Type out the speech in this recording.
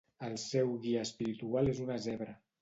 El seu guia espiritual és una zebra.